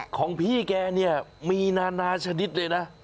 ของพี่แกเนี่ยมีนานาชนิดเลยนะ